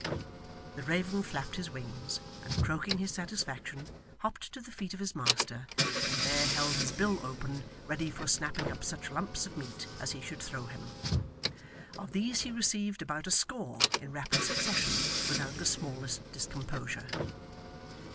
The raven flapped his wings, and, croaking his satisfaction, hopped to the feet of his master, and there held his bill open, ready for snapping up such lumps of meat as he should throw him. Of these he received about a score in rapid succession, without the smallest discomposure.